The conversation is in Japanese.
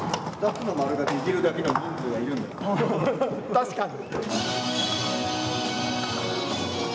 確かに。